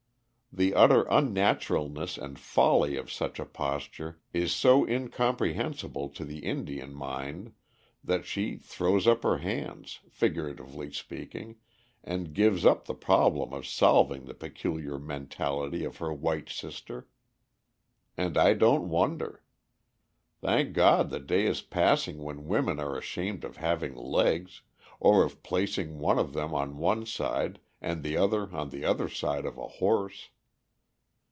The utter unnaturalness and folly of such a posture is so incomprehensible to the Indian mind that she "throws up her hands," figuratively speaking, and gives up the problem of solving the peculiar mentality of her white sister. And I don't wonder! Thank God the day is passing when women are ashamed of having legs, or of placing one of them on one side and the other on the other side of a horse.